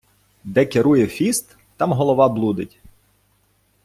Де керує фіст, там голова блудить.